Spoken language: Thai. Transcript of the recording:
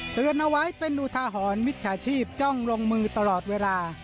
เตือนเอาไว้เป็นอุทาหรณ์มิจฉาชีพจ้องลงมือตลอดเวลา